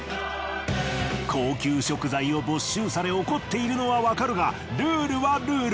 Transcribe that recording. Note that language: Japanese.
高級食材を没収され怒っているのはわかるがルールはルール。